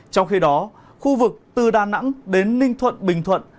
trong khi đó khu vực từ đà nẵng đến ninh thuận bình thuận